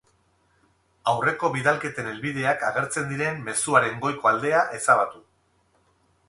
Aurreko bidalketen helbideak agertzen diren mezuaren goiko aldea ezabatu.